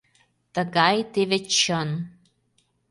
Тыгай теве чын.